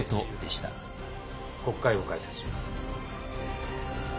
国会を開設します。